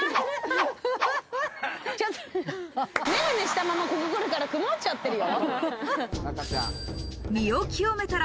眼鏡したまま、ここ来るから曇っちゃってるよ。